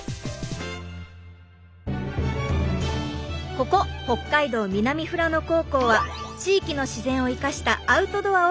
ここ北海道南富良野高校は地域の自然を生かした「アウトドア」を授業で学ぶことができる